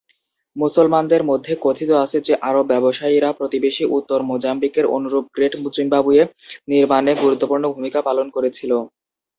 মুসলমানদের মধ্যে কথিত আছে যে আরব ব্যবসায়ীরা প্রতিবেশী উত্তর মোজাম্বিকের অনুরূপ গ্রেট জিম্বাবুয়ে নির্মাণে গুরুত্বপূর্ণ ভূমিকা পালন করেছিল।